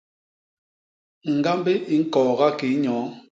Ñgambi i ñkooga kii nyoo.